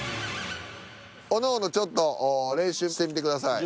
おのおのちょっと練習してみてください。